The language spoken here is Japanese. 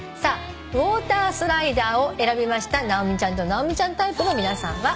「ウォータースライダー」を選びました直美ちゃんと直美ちゃんタイプの皆さんは。